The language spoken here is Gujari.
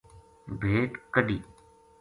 بھیڈ کڈھی۔